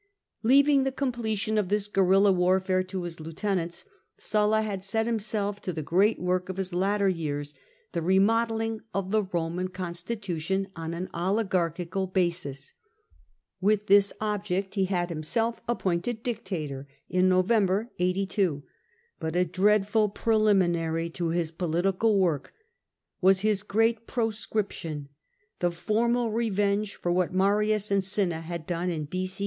Leaving the completion of this guerilla warfare to his lieutenants, Sulla had set himself to the great work of his latter years, the remodelling of the Roman constitution on an oligarchical basis. With this object he had him self appointed dictator in November 82. But a dreadful preliminary to his political work was his great Pro scription," the formal revenge for what Marius and Cinna had done in b.c.